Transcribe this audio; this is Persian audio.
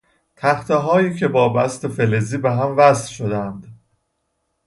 تختههایی که با بست فلزی به هم وصل شدهاند